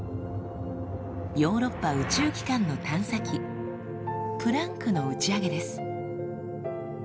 ヨーロッパ宇宙機関の探査機「プランク」の打ち上げです。